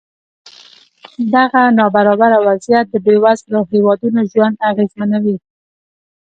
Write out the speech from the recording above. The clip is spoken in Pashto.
دغه نابرابره وضعیت د بېوزلو هېوادونو ژوند اغېزمنوي.